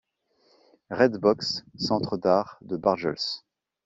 Red Box, Centre d’art de Barjols.